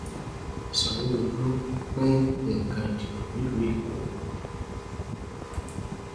Sanwó-Olú pín ìkan ìdìbò ní ìlú Èkó.